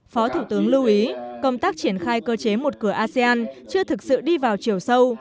phó thủ tướng lưu ý công tác triển khai cơ chế một cửa asean chưa thực sự đi vào chiều sâu